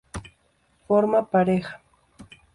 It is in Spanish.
Forma pareja.